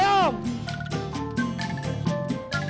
jeraim jeraim jeraim